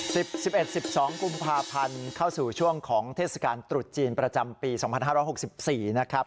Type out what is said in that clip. สิบสิบเอ็ดสิบสองกุมภาพันธ์เข้าสู่ช่วงของเทศกาลตรุษจีนประจำปีสองพันห้าร้อยหกสิบสี่นะครับ